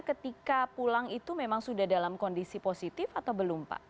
ketika pulang itu memang sudah dalam kondisi positif atau belum pak